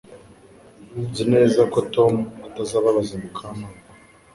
Nzi neza ko Tom atazababaza Mukamana